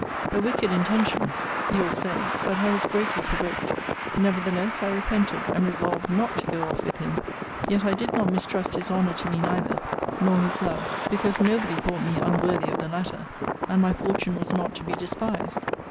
A wicked intention, you'll say! but I was greatly provoked. Nevertheless, I repented, and resolved not to go off with him: yet I did not mistrust his honour to me neither; nor his love; because nobody thought me unworthy of the latter, and my fortune was not to be despised.